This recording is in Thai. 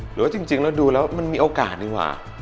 หรือว่าจริงแล้วดูแล้วมันมีโอกาสดีกว่า